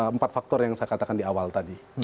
empat faktor yang saya katakan di awal tadi